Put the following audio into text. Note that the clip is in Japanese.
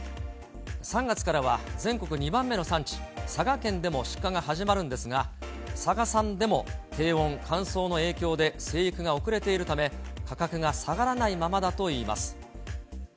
３月からは全国２番目の産地、佐賀県でも出荷が始まるんですが、佐賀産でも低温、乾燥の影響で生育が遅れているため、価格が下がらないままだといいます。